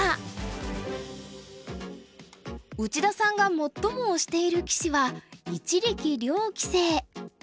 内田さんが最も推している棋士は一力遼棋聖。